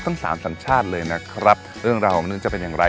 ทั้งสามสัญชาติเลยนะครับเรื่องราวของนั้นจะเป็นอย่างไร